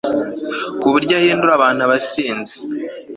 ku buryo ahindura abantu abasinzi